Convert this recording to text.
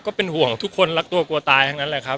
ก็เป็นห่วงทุกคนรักตัวกลัวกลัวตายทั้งนั้นแหละครับ